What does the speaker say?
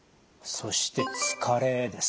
そして疲れですね？